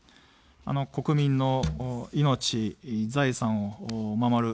国民の命、財産を守る。